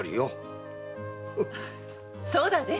そうだね！